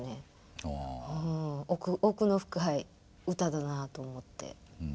奥の深い歌だなと思って。